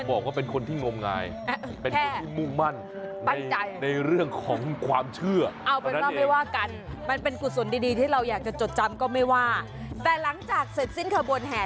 โดดพี่คนนี้เพราะถูบและทำการรวงสิ่งที่ได้ออกมานั่นก็คือ